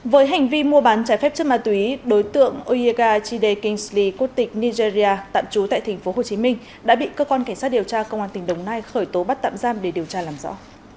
với hành vi mua bán trái phép chất ma túy đối tượng oega chide kinh sli quốc tịch nigeria tạm trú tại tp hcm đã bị cơ quan cảnh sát điều tra công an tỉnh đồng nai khởi tố bắt tạm giam để điều tra làm rõ